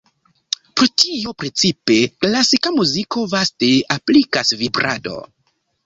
Pro tio precipe klasika muziko vaste aplikas vibrado.